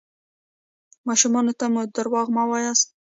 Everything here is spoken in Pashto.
ماشومانو ته مو درواغ مه وایاست.